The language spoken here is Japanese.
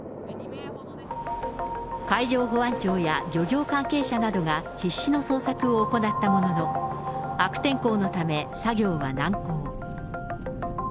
海上保安庁や漁業関係者などが必死の捜索を行ったものの、悪天候のため、作業は難航。